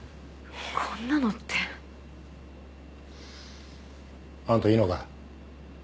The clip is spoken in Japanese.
こんなのって。あんたいいのか？